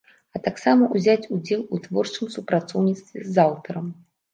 А таксама ўзяць удзел у творчым супрацоўніцтве з аўтарам.